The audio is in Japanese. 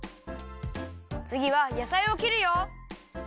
つぎはやさいをきるよ！